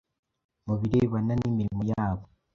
mu birebana n’imirimo yabo